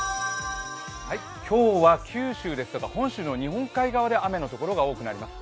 今日は九州とか本州の日本海側で雨が多くなります。